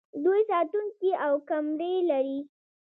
دوی ساتونکي او کمرې لري.